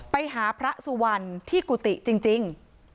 ไปหาพระสุวรรณที่กุฏิจริง